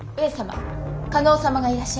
加納様がいらっしゃいました。